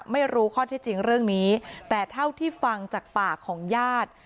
ไม่รู้ข้อที่จริงเรื่องนี้แต่เท่าที่ฟังจากปากของญาติ